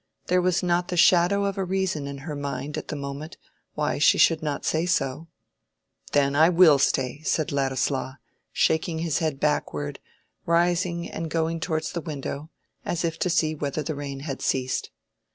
There was not the shadow of a reason in her mind at the moment why she should not say so. "Then I will stay," said Ladislaw, shaking his head backward, rising and going towards the window, as if to see whether the rain had ceased.